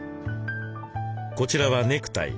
こちらはネクタイ。